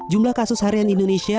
jumlah kasus harian indonesia